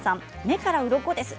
目からうろこです。